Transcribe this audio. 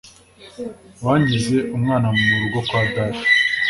wangize umwana mu rugo kwa data